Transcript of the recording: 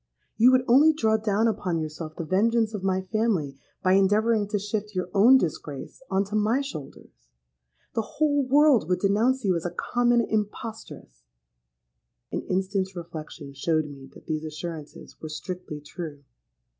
You would only draw down upon yourself the vengeance of my family by endeavouring to shift your own disgrace on to my shoulders. The whole world would denounce you as a common impostress.'—An instant's reflection showed me that these assurances were strictly true.